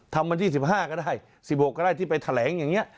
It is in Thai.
วันที่๑๕ก็ได้๑๖ก็ได้ที่ไปแถลงอย่างนี้